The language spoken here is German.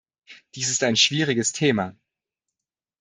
Dies ist ein schwieriges Thema.